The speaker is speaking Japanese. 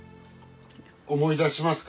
思い出しますか？